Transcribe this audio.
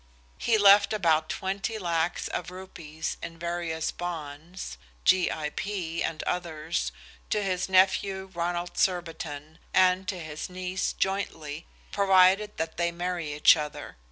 He left about twenty lacs of rupees in various bonds G. I. P. and others to his nephew, Ronald Surbiton, and to his niece jointly, provided that they marry each other.